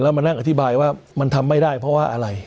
มานั่งอธิบายว่ามันทำไม่ได้เพราะว่าอะไร